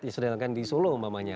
yang sedang di solo namanya